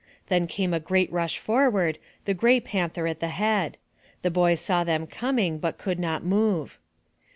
Then came a great rush forward, the gray panther at the head. The boy saw them coming, but could not move.